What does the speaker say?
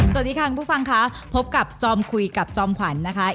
สวัสดีค่ะคุณผู้ฟังค่ะพบกับจอมคุยกับจอมขวัญนะคะ